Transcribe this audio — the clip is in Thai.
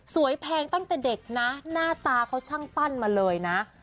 แพงตั้งแต่เด็กนะหน้าตาเขาช่างปั้นมาเลยนะ